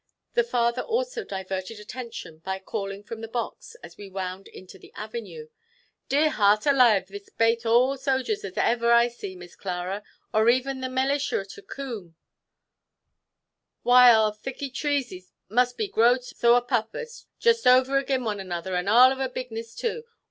The farmer also diverted attention by calling from the box, as we wound into the avenue, "Dear heart alaive; this bate all the sojers as ever I see, Miss Clara, or even the melisher to Coom. Why, arl thiccy treeses must a growed so a puppose, just over again one another, and arl of a bigness too.